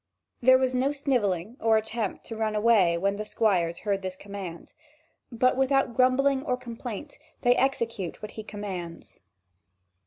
There was no snivelling or attempt to run away when the squires heard this command, but without grumbling or complaint they execute what he commands.